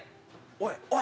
おい！